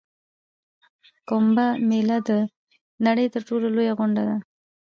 کومبه میله د نړۍ تر ټولو لویه غونډه ده.